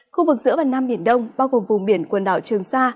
khu vực giữa và nam biển đông bao gồm vùng biển quần đảo trường sa